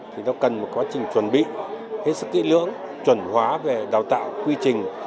thì nó cần một quá trình chuẩn bị hết sức kỹ lưỡng chuẩn hóa về đào tạo quy trình